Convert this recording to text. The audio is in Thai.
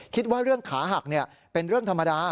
คิดว่าเรื่องขาหักเป็นเรื่องธรรมดา